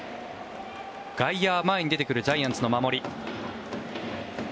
外野は前に出てくるジャイアンツの守り。